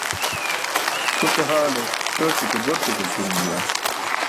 Pʰute haale śorti ke borti ġiltirum juwan.